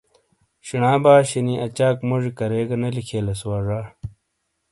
شینا باشینی اچاک موجی کریگہ نے لکھیئلیس وا زا۔